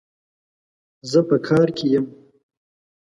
زه په کار کي يم